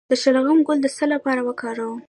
د شلغم ګل د څه لپاره وکاروم؟